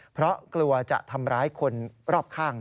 เพราะกลัวจะทำร้ายคนรอบข้าง